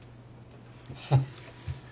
フッ。